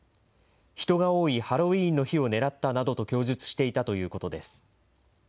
人が多いハロウィーンの日を狙ったなどと供述していたということです。